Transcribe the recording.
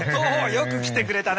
よく来てくれたな！